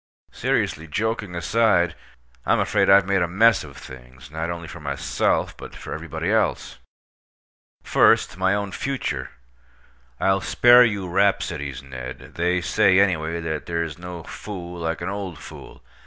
Seriously, joking aside, I'm afraid I've made a mess of things, not only for myself, but for everybody else. First, my own future. I'll spare you rhapsodies, Ned. They say, anyway, that there's no fool like an old fool.